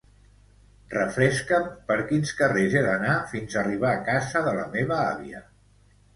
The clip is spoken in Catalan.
Refresca'm per quins carrers he d'anar fins arribar a casa de la meva àvia.